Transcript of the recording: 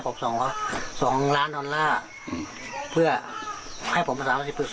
ผมส่งเขา๒ล้านดอลลาร์เพื่อให้ผมมา๓๐